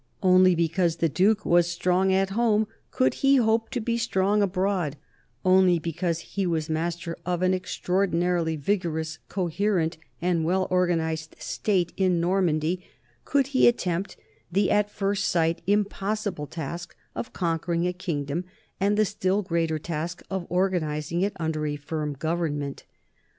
Only because the duke was strong at home could he hope to be strong abroad, only because he was master of an extraordi narily vigorous, coherent, and well organized state in Normandy could he attempt the at first sight impossible task of conquering a kingdom and the still greater task of organizing it under a firm government.